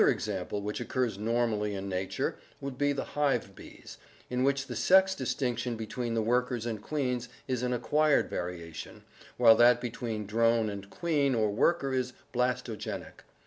Another example which occurs normally in nature would be the hive bees (Apis mellifica), in which the sex distinction between the workers and queens is an acquired variation, while that between drone and queen or worker is blastogenic.